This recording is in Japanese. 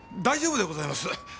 大丈夫でございます。